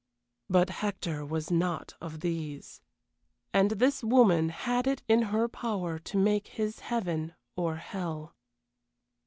But Hector was not of these. And this woman had it in her power to make his heaven or hell.